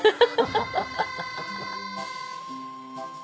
ハハハ！